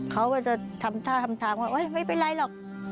เขาก็จะทำท่าทำทางว่าไม่เป็นไรหรอก